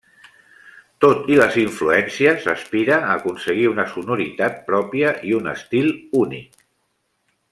Tot i les influències, aspira a aconseguir una sonoritat pròpia i un estil únic.